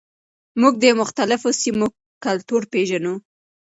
موږ د مختلفو سیمو کلتور پیژنو.